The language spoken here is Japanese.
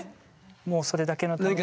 もうそれだけのために。